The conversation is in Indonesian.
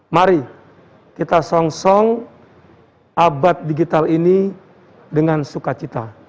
mari kita song song abad digital ini dengan sukacita